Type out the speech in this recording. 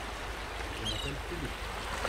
Je m'appelle Fulup.